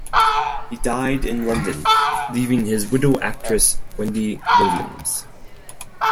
He died in London leaving his widow actress Wendy Williams.